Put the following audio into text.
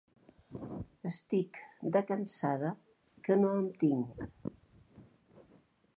Estic, de cansada, que no em tinc.